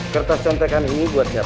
kertas contekan ini buat siapa